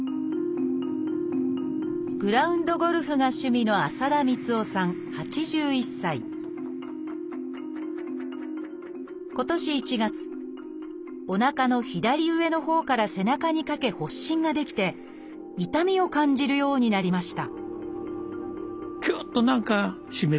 グラウンドゴルフが趣味の今年１月おなかの左上のほうから背中にかけ発疹が出来て痛みを感じるようになりました